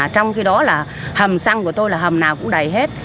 trong khi đó là hầm xăng của tôi là hầm nào cũng đầy hết